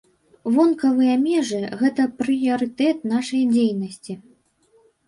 Вонкавыя межы, гэта прыярытэт нашай дзейнасці.